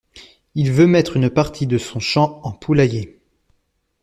Il veut mettre une partie de son champ en poulailler.